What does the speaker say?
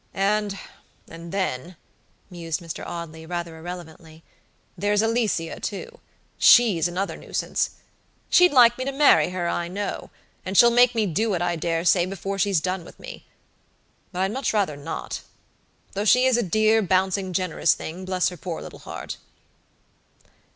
Andand then," mused Mr. Audley, rather irrelevantly, "there's Alicia, too; she's another nuisance. She'd like me to marry her I know; and she'll make me do it, I dare say, before she's done with me. But I'd much rather not; though she is a dear, bouncing, generous thing, bless her poor little heart."